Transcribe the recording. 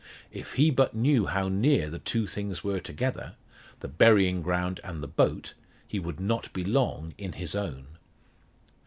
If he but knew how near the two things were together the burying ground and the boat he would not be long in his own.